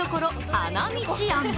花道庵。